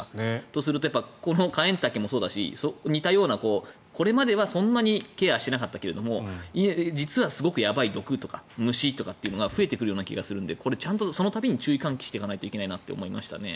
とするとこのカエンタケもそうですし似たようなこれまではそんなにケアしてなかったけど実はすごくやばい毒とか虫とかってのが増えてくるような気がするのでこれ、ちゃんとその度に注意喚起していかないといけないなと思いましたね。